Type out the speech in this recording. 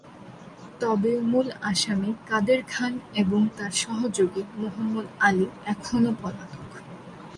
তবে মূল আসামি কাদের খান এবং তাঁর সহযোগী মহম্মদ আলি এখনো পলাতক।